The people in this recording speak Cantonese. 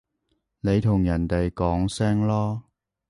你同人哋講聲囉